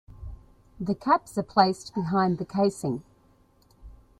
The caps are placed behind the casing.